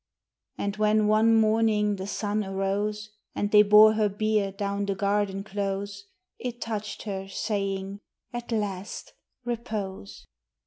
And when one morning the sun arose, And they bore her bier down the garden close, It touched her, saying, "At last, repose."